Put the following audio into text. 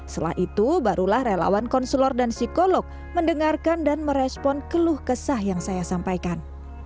setelah itu barulah relawan konselor dan psikolog mendengarkan dan merespon keluh kesah yang saya sampaikan